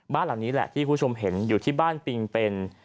บ้านหลังนี้แหละที่คุณผู้ชมเห็นอยู่ที่บ้านปิงเป็น